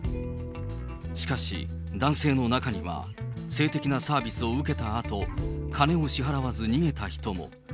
しかし、男性の中には性的なサービスを受けたあと、金を支払わず逃げた人も。